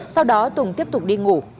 sau đó tùng tiếp tục đi ngủ